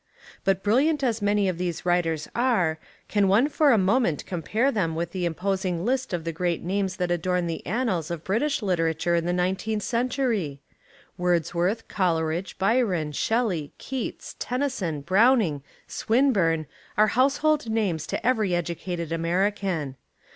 But brilliant as many of these writers are, can one for a moment compare them with the imposing list of the great names that adorn the annals of British literature in the nineteenth" century? Wordsworth, Coleridge, Byron, Shel ley, Keats, Tennyson, Browning, Swinburne are household names to every educated American.